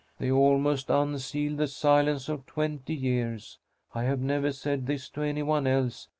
They almost unseal the silence of twenty years. I have never said this to any one else.